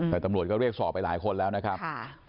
แต่ตำรวจก็เรียกสอบไปหลายคนแล้วนะครับ